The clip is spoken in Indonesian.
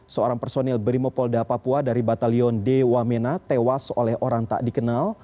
seorang personil brimopolda papua dari batalion d wamena tewas oleh orang tak dikenal